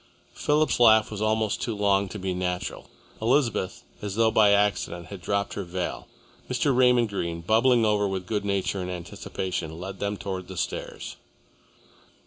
Philip's laugh was almost too long to be natural. Elizabeth, as though by accident, had dropped her veil. Mr. Raymond Greene, bubbling over with good nature and anticipation, led them towards the stairs.